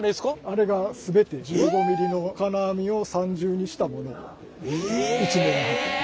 あれが全て１５ｍｍの金網を３重にしたもの。え！？